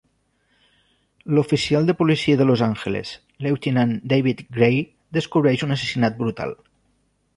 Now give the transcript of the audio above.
L'oficial de policia de Los Angeles Lieutenant David Grey descobreix un assassinat brutal.